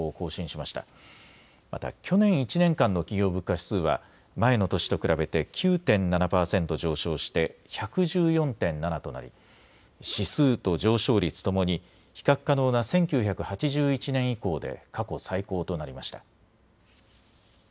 また去年１年間の企業物価指数は前の年と比べて９．７％上昇して１１４．７となり指数と上昇率ともに比較可能な１９８１年以降で過去最高となりました。